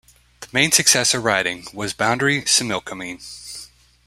The main successor riding was Boundary-Similkameen.